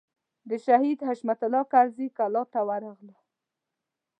د شهید حشمت الله کرزي کلا ته ورغلو.